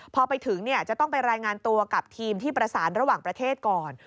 พอไปถึงจะต้องไปรายงานตัวกับทีมที่ประสานระหว่างประเทศก่อน